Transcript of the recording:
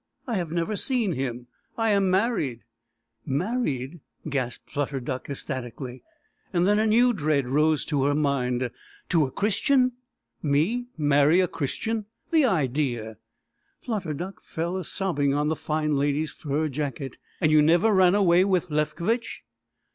I have never seen him. I am married." "Married!" gasped Flutter Duck ecstatically. Then a new dread rose to her mind. "To a Christian?" "Me marry a Christian! The idea!" Flutter Duck fell a sobbing on the fine lady's fur jacket. "And you never ran away with Lefkovitch?"